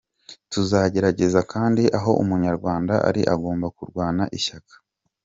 Tuzagerageza kandi aho umunyarwanda ari agomba kurwana ishyaka.”